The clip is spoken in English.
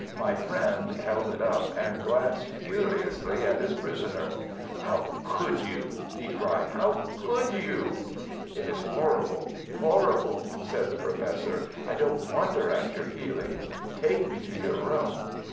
My friend held it up and glanced furiously at his prisoner. "How could you!" he cried. "How could you!" "It is horrible—horrible!" said the Professor. "I don't wonder at your feelings. Take me to your room."